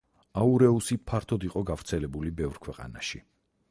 აურეუსი ფართოდ იყო გავრცელებული ბევრ ქვეყანაში.